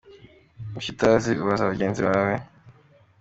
icyo utazi ubaza bagenzi bawe.